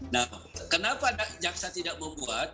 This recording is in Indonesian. nah kenapa jaksa tidak membuat